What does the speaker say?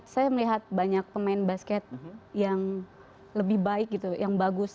saya melihat banyak pemain basket yang lebih baik gitu yang bagus